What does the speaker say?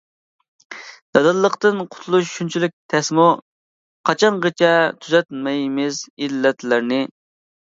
نادانلىقتىن قۇتۇلۇش شۇنچىلىك تەسمۇ، قاچانغىچە تۈزەتمەيمىز ئىللەتلەرنى.